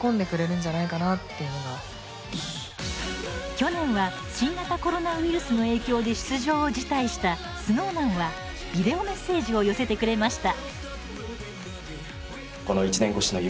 去年は新型コロナウイルスの影響で出場を辞退したＳｎｏｗＭａｎはビデオメッセージを寄せてくれました。